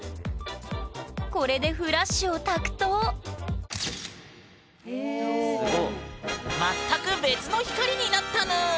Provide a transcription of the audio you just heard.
これでフラッシュをたくと全く別の光になったぬん！